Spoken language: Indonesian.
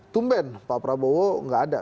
tuban pak prabowo nggak ada